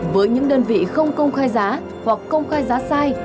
với những đơn vị không công khai giá hoặc công khai giá sai